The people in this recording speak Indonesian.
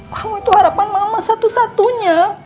kamu itu harapan mama satu satunya